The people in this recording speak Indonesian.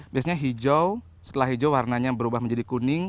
biasanya hijau setelah hijau warnanya berubah menjadi kuning